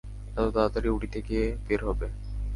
এত তাড়াতাড়ি উটিতে কে বের হবে?